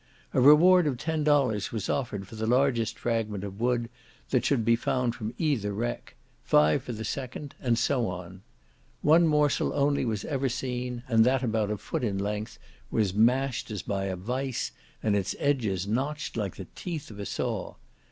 A reward of ten dollars was offered for the largest fragment of wood that should be found from either wreck, five for the second, and so on. One morsel only was ever seen, and that about a foot in length, was mashed as by a vice, and its edges notched like the teeth of a saw.